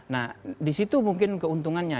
nah disitu mungkin keuntungannya